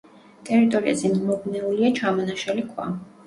ტერიტორიაზე მიმობნეულია ჩამონაშალი ქვა.